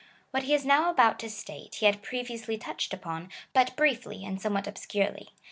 What he is now about to state he had previously touched upon, but briefly and somewhat obscurely.